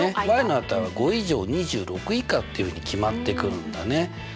の値は５以上２６以下っていうふうに決まってくるんだね。